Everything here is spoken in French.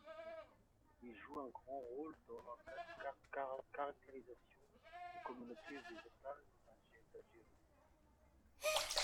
Il joue un grand rôle dans la caractérisation des communautés végétales d'Algérie.